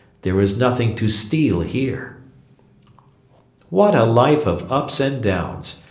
There is nothing to steal here."' What a life of ups and downs!